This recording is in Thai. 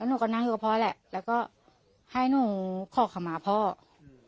หนูก็นั่งอยู่กับพ่อแหละแล้วก็ให้หนูขอคำมาพ่ออืม